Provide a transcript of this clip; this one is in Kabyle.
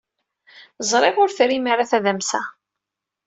Ẓriɣ ur trim ara tadamsa.